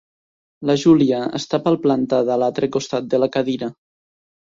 La Júlia està palplantada a l'altre costat de la cadira.